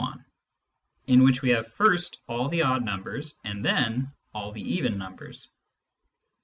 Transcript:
., in which we have first all the odd numbers and then all the even numbers.